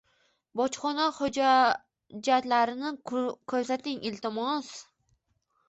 Bojxona hujjatlarini ko’rsating, iltimos.